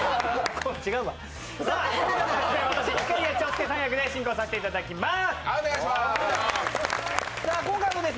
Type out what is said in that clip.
私、いかりや長介さん役で進行させていただきます。